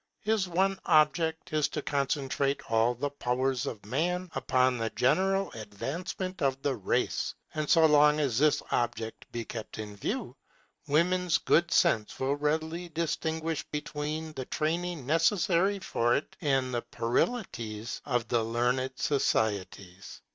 His one object is to concentrate all the powers of Man upon the general advancement of the race. And so long as this object be kept in view, women's good sense will readily distinguish between the training necessary for it, and the puerilities of the learned societies.